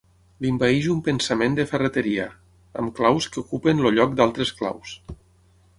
L'envaeix un pensament de ferreteria, amb claus que ocupen el lloc d'altres claus.